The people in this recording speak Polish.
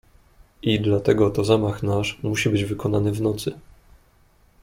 "I dlatego to zamach nasz musi być wykonany w nocy."